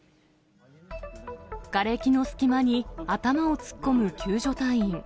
がれきの隙間に頭を突っ込む救助隊員。